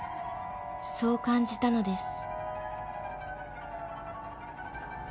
そう感じたのです］